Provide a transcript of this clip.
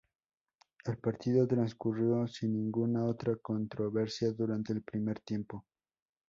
El partido transcurrió sin ninguna otra controversia durante el primer tiempo.